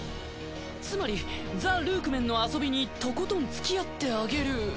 つまりザ・ルークメンの遊びにとことんつきあってあげる。